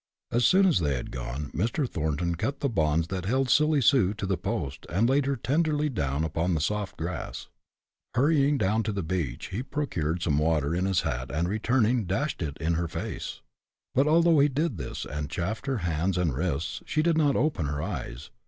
As soon as they had gone, Mr. Thornton cut the bonds that held Silly Sue to the post, and laid her tenderly down upon the soft grass. Hurrying down to the beach, he procured some water in his hat, and returning, dashed it in her face. But although he did this, and chafed her hands and wrists, she did not open her eyes.